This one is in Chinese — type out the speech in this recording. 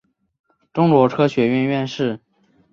中国科学院院士。